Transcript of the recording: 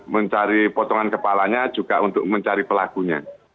mencari potongan kepalanya juga untuk mencari pelakunya